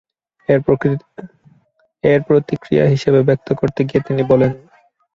এর প্রতিক্রিয়া হিসেবে ব্যক্ত করতে গিয়ে তিনি বলেন,